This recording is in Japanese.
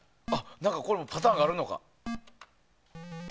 何かこれもパターンがあるのか。